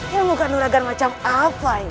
ya bukan nuragan macam apa ini